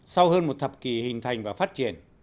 sau hơn một thập kỷ hình thành và phát triển